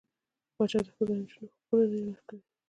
پاچا د ښځو او نجونـو حقونه نه ورکوي .